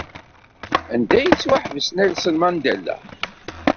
Anda ay yettwaḥbes Nelson Mandela?